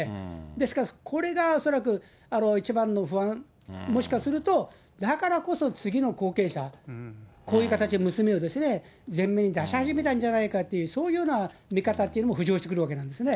ですから、これが恐らく一番の不安、もしかすると、だからこそ、次の後継者、こういう形で娘を前面に出し始めたんじゃないかっていう、そういうような見方というのも浮上してくるわけなんですね。